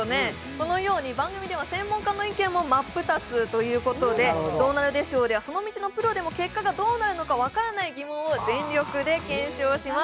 このように番組では専門家の意見も真っ二つということで「どうなるでＳＨＯＷ」ではその道のプロでも結果がどうなるか分からない疑問を全力で検証します。